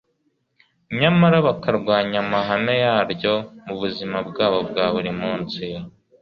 nyamara bakarwanya amahame yaryo mu buzima bwabo bwa buri munsi